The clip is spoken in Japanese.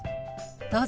どうぞ。